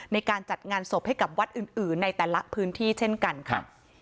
ในการจัดงานศพให้กับวัดอื่นในแต่ละพื้นที่เช่นกันค่ะ